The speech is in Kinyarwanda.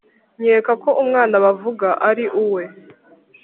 nkeka ko umwana bavuga ari uwe